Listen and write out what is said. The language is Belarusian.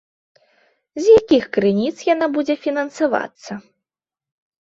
З якіх крыніц яна будзе фінансавацца?